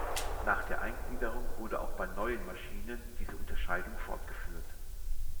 Nach der Eingliederung wurde auch bei neuen Maschinen diese Unterscheidung fortgeführt.